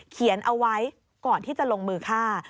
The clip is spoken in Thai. เขียนเอาไว้ก่อนที่จะลงมือฆ่า